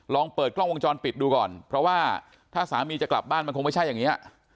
ลองเปิดกล้องวงจรปิดดูก่อนเพราะว่าถ้าสามีจะกลับบ้านมันคงไม่ใช่อย่างนี้